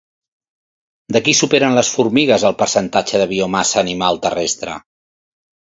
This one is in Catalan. De qui superen les formigues el percentatge de biomassa animal terrestre?